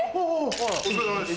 お疲れさまです。